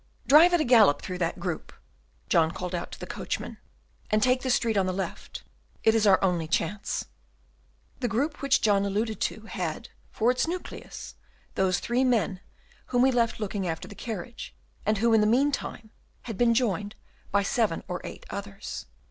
"Drive at a gallop through that group," John called out to the coachman, "and take the street on the left; it is our only chance." The group which John alluded to had, for its nucleus, those three men whom we left looking after the carriage, and who, in the meanwhile, had been joined by seven or eight others.